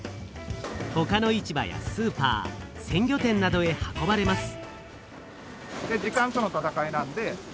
ほかの市場やスーパー鮮魚店などへ運ばれます。